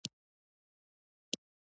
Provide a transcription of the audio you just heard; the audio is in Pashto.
قلم د ښو فکرونو ځواک دی